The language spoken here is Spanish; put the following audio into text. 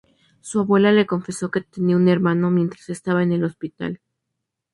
Su abuela le confesó que tenía un hermano mientras estaba en el hospital.